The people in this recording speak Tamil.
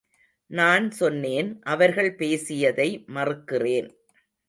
நான் சொன்னேன் அவர்கள் பேசியதை மறுக்கிறேன்.